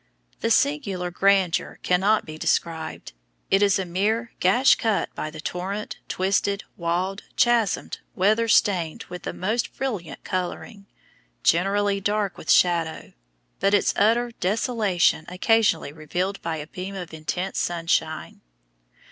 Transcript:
The singular grandeur cannot be described. It is a mere gash cut by the torrent, twisted, walled, chasmed, weather stained with the most brilliant coloring, generally dark with shadow, but its utter desolation occasionally revealed by a beam of intense sunshine.